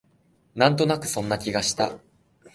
なんとなくそんな気がした